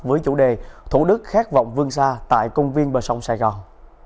với chủ đề thủ đức khát vọng vương xa tại công viên bờ sông sài gòn